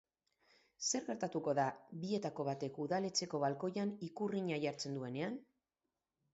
Zer gertatuko da bietako batek udaletxeko balkoian ikurrina jartzen duenean?